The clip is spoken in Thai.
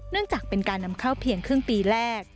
จากเป็นการนำเข้าเพียงครึ่งปีแรก